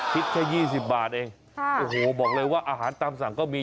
คิดแค่๒๐บาทเองโอ้โหบอกเลยว่าอาหารตามสั่งก็มี